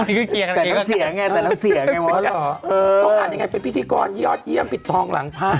แต่ต้องเสียไงต้องอาจเป็นพิธีกรยอดเยี่ยมปิดทองหลังผ้า